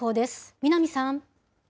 南さん。